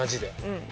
うん。